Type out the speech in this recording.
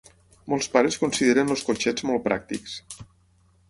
Molts pares consideren els cotxets molt pràctics.